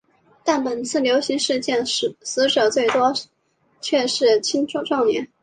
但本次流行事件死者最多的却是青壮年。